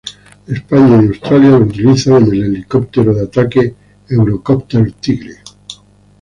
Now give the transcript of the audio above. España y Australia lo utilizan en el helicóptero de ataque Eurocopter Tigre.